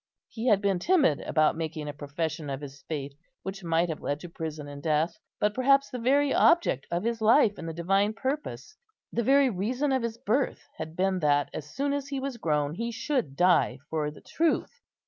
He had been timid about making a profession of his faith, which might have led to prison and death; but perhaps the very object of his life in the divine purpose, the very reason of his birth, had been that, as soon as he was grown, he should die for the truth.